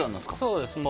そうです。